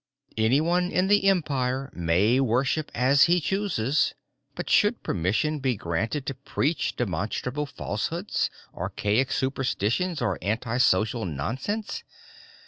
_Anyone in the Empire may worship as he chooses, but should permission be granted to preach demonstrable falsehoods, archaic superstitions, or antisocial nonsense?